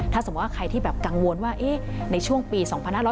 ถ้าสมมุติว่าใครที่แบบกังวลว่าในช่วงปี๒๕๖๐